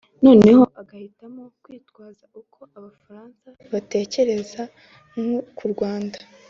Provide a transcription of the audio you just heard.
noneho agahitamo kwitwaza uko Abafaransa batekereza k’ uRwanda